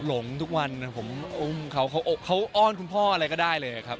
หลงทุกวันผมอุ้มเขาอ้อนคุณพ่ออะไรก็ได้เลยครับ